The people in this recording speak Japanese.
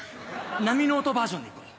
波の音バージョンでいこう。